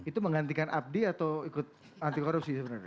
itu menggantikan abdi atau ikut anti korupsi sebenarnya